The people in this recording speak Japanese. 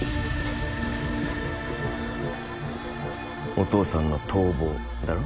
お父さんの逃亡だろ？